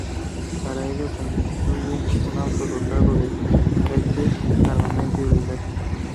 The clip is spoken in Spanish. Para ello, construye un auto dotado de "gadgets", armamento y blindaje.